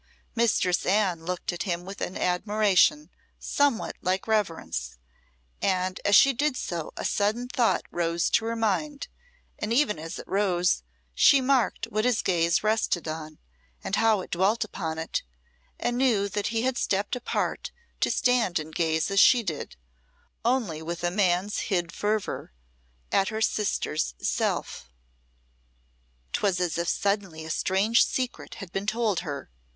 Mistress Anne looked at him with an admiration somewhat like reverence, and as she did so a sudden thought rose to her mind, and even as it rose, she marked what his gaze rested on, and how it dwelt upon it, and knew that he had stepped apart to stand and gaze as she did only with a man's hid fervour at her sister's self. 'Twas as if suddenly a strange secret had been told her.